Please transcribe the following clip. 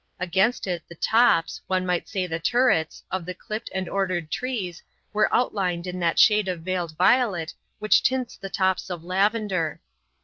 Against it the tops, one might say the turrets, of the clipt and ordered trees were outlined in that shade of veiled violet which tints the tops of lavender.